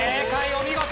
お見事！